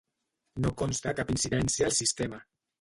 No consta cap incidència al sistema.